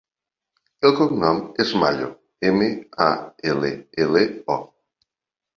El cognom és Mallo: ema, a, ela, ela, o.